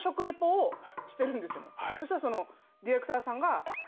そしたらディレクターさんが。